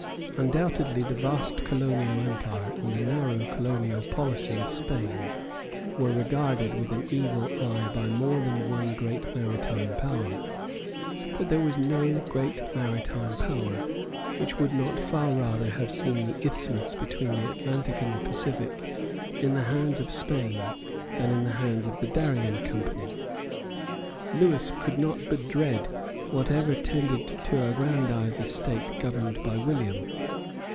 Undoubtedly the vast colonial empire and the narrow colonial policy of Spain were regarded with an evil eye by more than one great maritime power. But there was no great maritime power which would not far rather have seen the isthmus between the Atlantic and the Pacific in the hands of Spain than in the hands of the Darien Company. Lewis could not but dread whatever tended to aggrandise a state governed by William.